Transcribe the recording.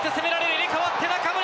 入れ替わって中村！